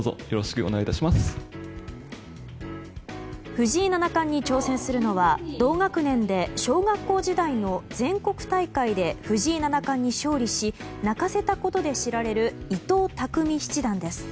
藤井七冠に挑戦するのは同学年で小学校時代の全国大会で藤井七冠に勝利し泣かせたことで知られる伊藤匠七段です。